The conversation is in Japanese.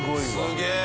すげえ！